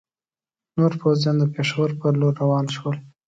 نور پوځیان د پېښور پر لور روان شول.